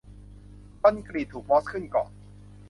คอนกรีตถูกมอสขึ้นเกาะ